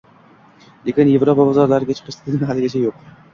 Lekin Yevropa bozorlariga chiqish tizimi haligacha yo‘q.